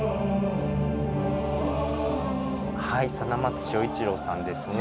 はい貞松正一郎さんですね。